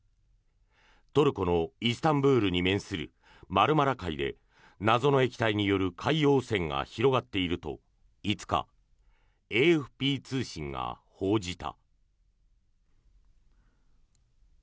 トルコのイスタンブールに面するマルマラ海で謎の液体による海洋汚染が広がっていると５日、ＡＦＰ通信が報じた。